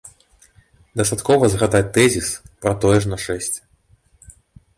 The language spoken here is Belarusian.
Дастаткова згадаць тэзіс пра тое ж нашэсце.